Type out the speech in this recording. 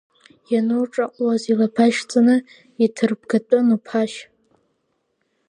Иануҿаҟәуаз илабашь, ҵаны иҭырбгатәын уԥашь.